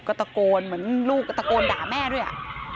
ก็ตะโกนเหมือนลูกก็ตะโกนด่าแม่ด้วย